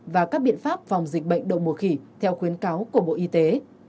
và các biện pháp phòng dịch bệnh đồng mùa khỉ theo khuyến cáo của bộ y tế